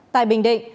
tại bình định